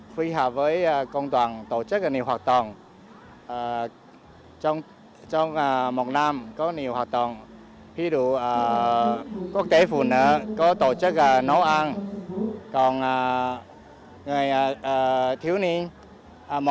tổ chức công đoàn công ty trách nhiệm hữu hạn pouchen việt nam